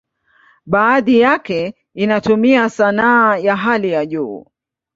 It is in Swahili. Baadhi yake inatumia sanaa ya hali ya juu.